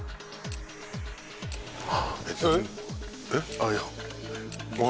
あっいや。